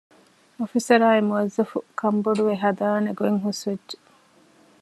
އޮފިސަރާއި މުވައްޒަފު ކަންބޮޑުވެ ހަދާނެގޮތް ހުސްވެއްޖެ